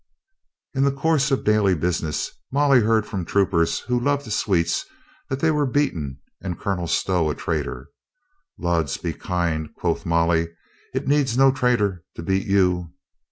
In the course of daily business, Molly heard from troopers who loved sweets that they were beaten and Colonel Stow a traitor. "Lud be kind," quoth Molly. "It needs no traitor to beat you."